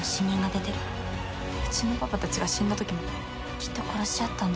「うちのパパたちが死んだときもきっと殺し合ったんだよ」